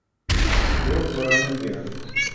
وہ فورا مل گیا۔